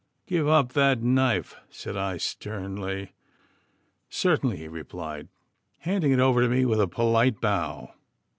'Give up that knife,' said I sternly. 'Certainly,' he replied, handing it over to me with a polite bow.